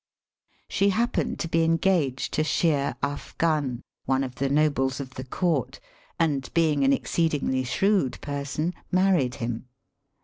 She happened to be engaged to Sheer Afgan, one of the nobles of the court, and being an exceedingly shrewd person married him.